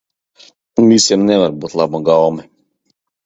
Visiem nevar būt laba gaume.